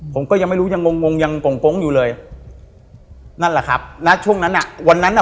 ผมก็ยังไม่รู้ยังงงงงยังโกงโก๊งอยู่เลยนั่นแหละครับณช่วงนั้นอ่ะวันนั้นอ่ะ